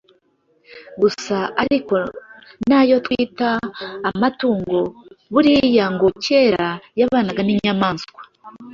Gusa ariko n’ayo twita amatungo buriya ngo kera yabanaga n’inyamaswa.